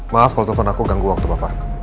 maaf kalau telepon aku ganggu waktu bapak